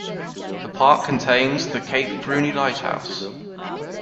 The park contains the Cape Bruny Lighthouse.